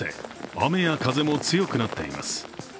雨や風も強くなっています。